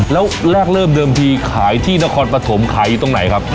แล้วแรกเริ่มเดิมทีขายที่นครปฐมขายอยู่ตรงไหนครับ